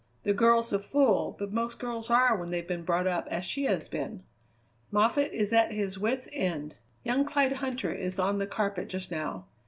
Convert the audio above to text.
The girl's a fool, but most girls are when they've been brought up as she has been. Moffatt is at his wits' end. Young Clyde Huntter is on the carpet just now.